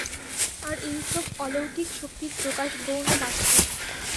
আর এইসব অলৌকিক শক্তির প্রকাশ গৌণমাত্র।